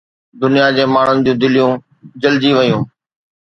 دنيا جي ماڻهن جون دليون جلجي ويون